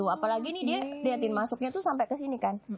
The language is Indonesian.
apalagi nih dia liatin masuknya tuh sampai ke sini kan